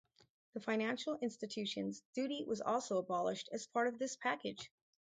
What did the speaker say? The financial institutions duty was also abolished as part of this package.